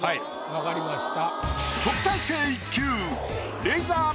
わかりました。